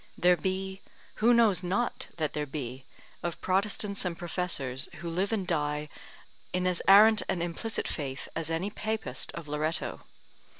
There be who knows not that there be? of Protestants and professors who live and die in as arrant an implicit faith as any lay Papist of Loretto.